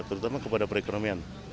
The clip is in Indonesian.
terutama kepada perekonomian